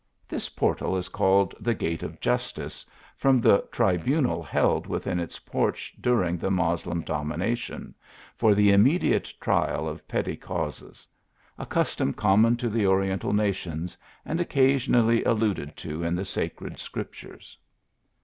This portal is called the Gate of Justice, from the tribunal held within its porch during the Moslem domination, for the immediate trial o c petty causes ; a ciibtom common to the Ori ental nations, and occasionally alluded to in the sacred Scriptures.